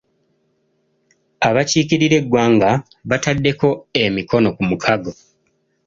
Abakiikirira eggwanga baataddeko emikono ku mukago.